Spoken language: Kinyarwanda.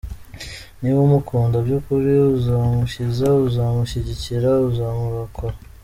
Niba umukunda byukuri uzamukiza, uzamushyigikira, uzamurokora.